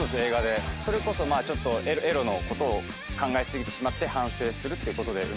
それこそちょっとエロのことを考え過ぎてしまって反省するっていうことで。